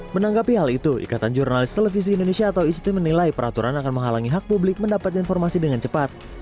menanggapi hal itu ikatan jurnalis televisi indonesia atau isti menilai peraturan akan menghalangi hak publik mendapat informasi dengan cepat